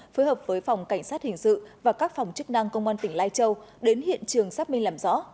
phối hợp với phòng cảnh sát hình sự và các phòng chức năng công an tỉnh lai châu đến hiện trường xác minh làm rõ